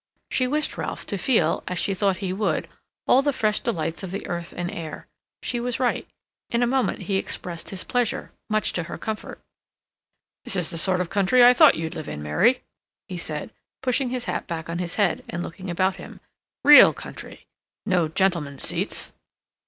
She wished Ralph to feel, as she thought he would, all the fresh delights of the earth and air. She was right. In a moment he expressed his pleasure, much to her comfort. "This is the sort of country I thought you'd live in, Mary," he said, pushing his hat back on his head, and looking about him. "Real country. No gentlemen's seats."